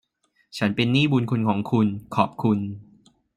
ฉันเป็นหนี้บุณคุณของคุณ ขอบคุณ